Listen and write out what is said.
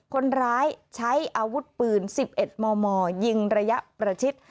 คนร้ายใช้อาวุธปืนสิบเอ็ดมอมอยิงระยะประชิต